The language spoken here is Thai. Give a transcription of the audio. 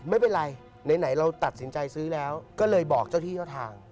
ไม่เป็นไรไหนเราตัดสินใจซื้อแล้วก็เลยบอกเจ้าที่เจ้าทาง